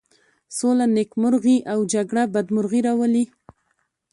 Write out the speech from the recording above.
سوله نېکمرغي او جگړه بدمرغي راولي.